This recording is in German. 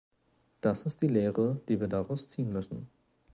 Das ist die Lehre, die wir daraus ziehen müssen.